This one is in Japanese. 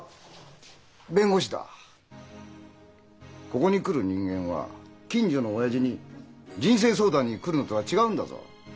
ここに来る人間は近所のおやじに人生相談に来るのとは違うんだぞ。